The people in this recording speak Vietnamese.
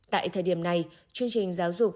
tại thời điểm này chương trình giáo dục